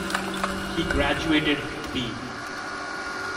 He graduated B.